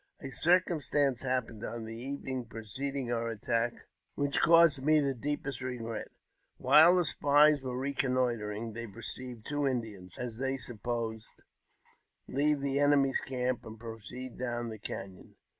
A circumstance happened on the evening preceding o attack which caused me the deepest regret. While the spi were reconnoitring, they perceived two Indians, as they sup posed, leave the enemy's camp, and proceed down the cafion.